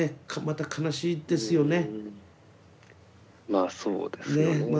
まあそうですよね。